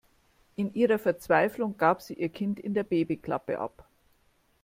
In ihrer Verzweiflung gab sie ihr Kind in der Babyklappe ab.